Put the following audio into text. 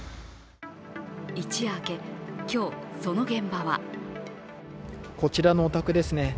一夜明け、今日、その現場はこちらのお宅ですね。